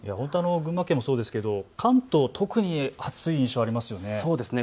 群馬県もそうですが関東、特に暑い印象がありますよね。